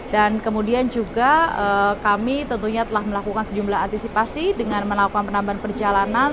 dan kemudian juga kami tentunya telah melakukan sejumlah antisipasi dengan melakukan penambahan perjalanan